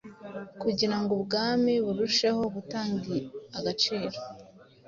kugirango ubwami burusheho guta agaciro